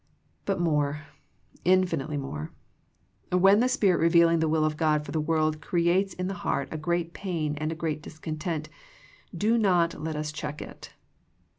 But more, infinitely more. When the Spirit revealing the will of God for the world creates in the heart a great pain and a great discontent, do not let us check it.